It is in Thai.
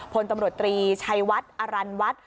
พลตำรวจตรีชัยวัดอรันวัฒน์